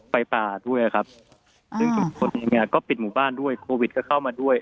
ไฟป่าด้วยครับอ่าก็ปิดหมู่บ้านด้วยโควิดก็เข้ามาด้วย